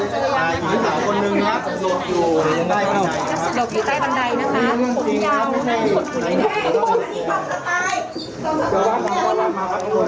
คุณผู้หญิงเหนื่อยมั้ยคะออกมาก่อนมั้ย